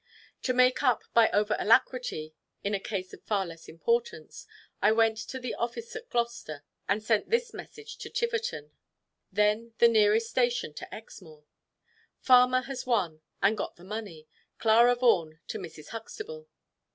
To make up by over alacrity, in a case of far less importance, I went to the office at Gloucester, and sent this message to Tiverton, then the nearest Station to Exmoor "Farmer has won, and got the money. Clara Vaughan to Mrs. Huxtable."